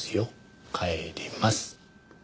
帰ります。